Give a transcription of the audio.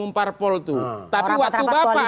umpar pol tuh tapi waktu bapak